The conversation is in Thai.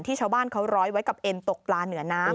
ชาวบ้านเขาร้อยไว้กับเอ็นตกปลาเหนือน้ำ